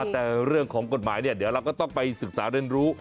แต่เรื่องของกฎหมายเนี่ยเดี๋ยวเราก็ต้องไปศึกษาเรียนรู้